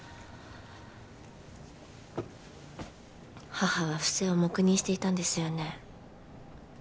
母は不正を黙認していたんですよね？